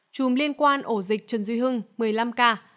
chùm liên quan ổ dịch trần duy hưng một mươi năm ca